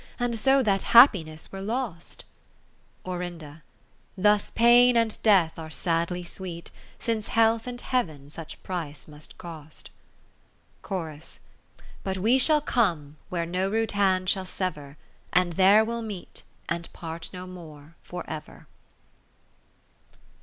And so that happiness were lost. Orin. Thus Pain and Death are sadly sweet. Since Health and Heav'n such price must cost. Chorus. But we shall come where no rude hand shall sever. And there we'll meet and part no more for ever.